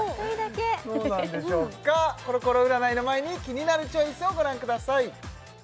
どうなんでしょうかコロコロ占いの前に「キニナルチョイス」をご覧ください